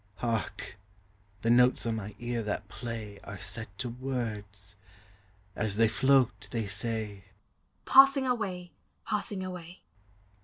Hark ! the notes on my ear that play Are set to words; as they float, they say, " Passing away ! passing away